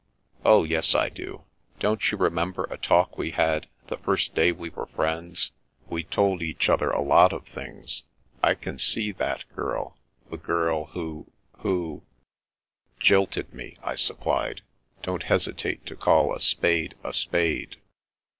" Oh, yes, I do. Don't you remember a talk we had, the first day we were friends? We told each other a lot of things. I can see that girl; the girl who— who— "" Jilted me," I supplied. " Don't hesitate to call a spade a spade."